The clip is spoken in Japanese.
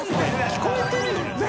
聞こえてるよね？